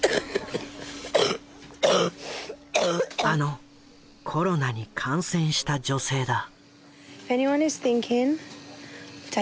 あのコロナに感染した女性だ。